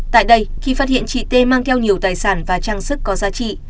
tại đây khi phát hiện chị tê mang theo nhiều tài sản và trang sức có giá trị